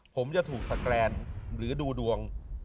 ผมจะถูกสแกรนหรือดูดวง